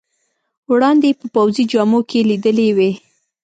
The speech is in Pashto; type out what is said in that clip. وړاندې یې په پوځي جامو کې لیدلی وې.